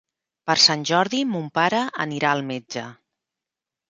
Per Sant Jordi mon pare anirà al metge.